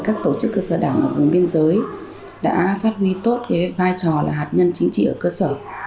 các tổ chức cơ sở đảng ở vùng biên giới đã phát huy tốt vai trò là hạt nhân chính trị ở cơ sở